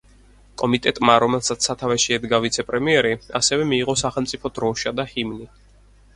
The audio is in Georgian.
კომიტეტმა, რომელსაც სათავეში ედგა ვიცე-პრემიერი, ასევე მიიღო სახელმწიფო დროშა და ჰიმნი.